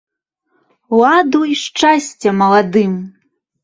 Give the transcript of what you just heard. Ладу й шчасця маладым!